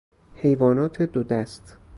حیوانات دو دست